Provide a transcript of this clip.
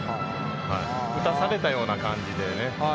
打たされたような感じでね。